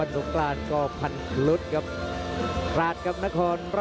เจ้าพี่และชาลิ้ว